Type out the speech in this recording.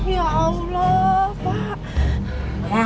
ya allah pak